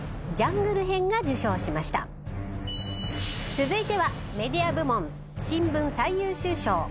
続いては。